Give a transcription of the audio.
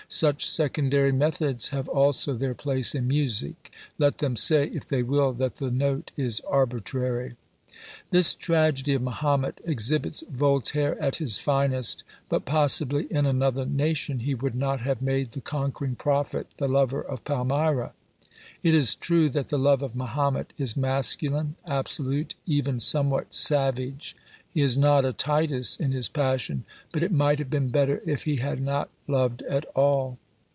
Such secondary methods have also their place in music ; let them say, if they will, that the note is arbitrary. This tragedy of Mahomet exhibits Voltaire at his finest, but possibly in another nation he would not have made the conquering prophet the lover of Palmyra. It is true that the love of Mahomet is masculine, absolute, even somewhat savage ; he is not a Titus in his passion, but it might have been better if he had not loved at all.